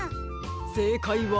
せいかいは。